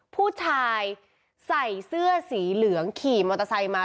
ผู้ชายใส่เสื้อสีเหลืองขี่มอเตอร์ไซค์มา